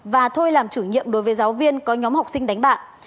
và thôi làm chủ nhiệm đối với giáo viên có nhóm học sinh đánh bạn